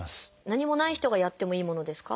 何もない人がやってもいいものですか？